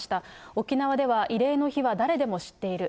沖縄では慰霊の日は誰でも知っている。